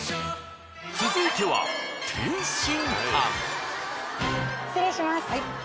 続いては失礼します